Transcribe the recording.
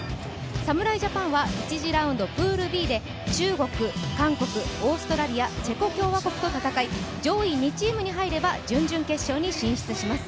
侍ジャパンは１次ラウンド・プールＢで中国、韓国、オーストラリア、チェコ共和国と戦い上位２チームに入れば準々決勝に進出します。